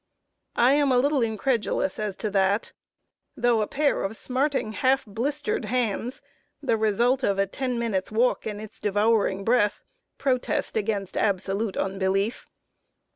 I am a little incredulous as to that, though a pair of smarting, half blistered hands the result of a ten minutes' walk in its devouring breath protest against absolute unbelief.